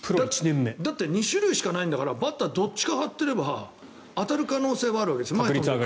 だって２種類しかないんだからバッターはどっちかに張ってれば当たる確率はあるわけです。